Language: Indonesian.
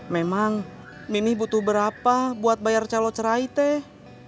memang mimi butuh berapa buat bayar celo cerai teh